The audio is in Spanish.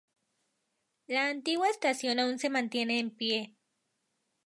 La antigua estación aún se mantiene en pie.